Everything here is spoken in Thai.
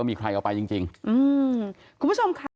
ก็ไม่อยากให้ชื่อบริษัทพ่อเกะเสร็จ